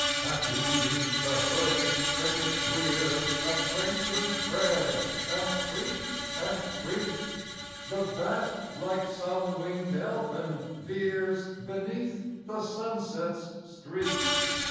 At eve the hermit cricket rears A plaintive prayer, and creaks and creaks; The bat, like some wing'd elfin, veers Beneath the sunset's streaks.